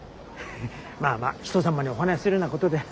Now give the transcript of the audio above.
まあまあ人様にお話しするようなことでは。